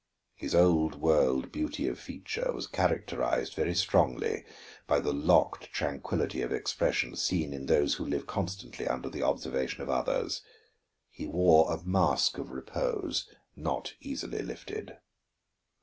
His old world beauty of feature was characterized very strongly by the locked tranquillity of expression seen in those who live constantly under the observation of others; he wore a mask of repose not readily lifted.